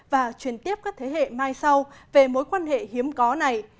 và truyền tiếp các thế hệ mai sau về mối quan hệ hiếm có này